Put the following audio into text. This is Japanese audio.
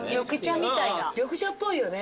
緑茶っぽいよね。